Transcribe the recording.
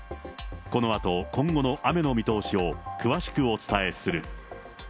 このあと、今後の雨の見通しを詳しくお伝えする。